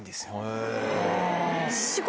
へぇ。